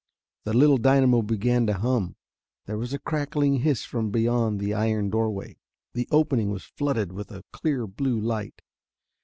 The little dynamo began to hum. There was a crackling hiss from beyond the iron doorway. The opening was flooded with a clear blue light.